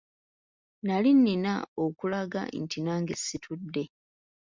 Nali nnina okulaga nti nange situdde.